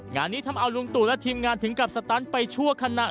งานนี้ทำเอาลุงตู่และทีมงานถึงกับสตันไปชั่วขณะ